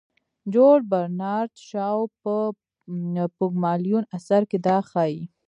جورج برنارد شاو په پوګمالیون اثر کې دا ښيي.